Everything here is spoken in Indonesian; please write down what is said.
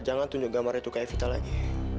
jangan tunjuk gambarnya itu ke evita lagi